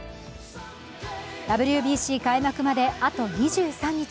ＷＢＣ開幕まで、あと２３日。